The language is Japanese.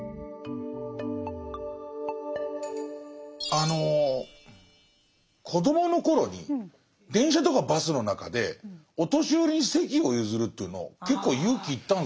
あの子どもの頃に電車とかバスの中でお年寄りに席を譲るというの結構勇気いったんですよ。